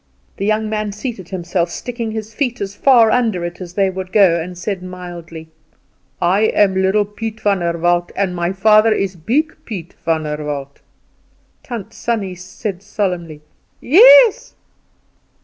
The young man seated himself, sticking his feet as far under it as they would go, and said mildly: "I am Little Piet Vander Walt, and my father is Big Piet Vander Walt." Tant Sannie said solemnly: "Yes."